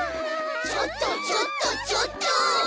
ちょっとちょっとちょっと！